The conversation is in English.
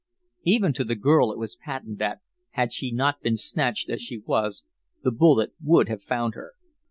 Even to the girl it was patent that, had she not been snatched as she was, the bullet would have found her.